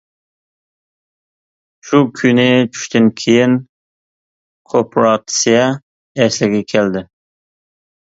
شۇ كۈنى چۈشتىن كېيىن كوپىراتسىيە ئەسلىگە كەلدى.